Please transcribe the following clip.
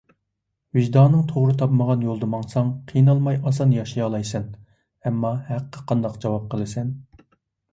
ۋىجدانىڭ توغرا تاپمىغان يولدا ماڭساڭ قىينالماي ئاسان ياشىيالايسەن. ئەمما ھەققە قانداق جاۋاب قىلىسەن؟